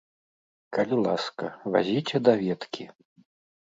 Калі ласка, вазіце даведкі.